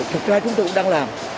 thực ra chúng tôi cũng đang làm